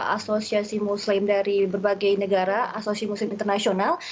asosiasi muslim dari berbagai negara asosiasi muslim internasional